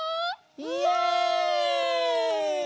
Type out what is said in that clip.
イエイ！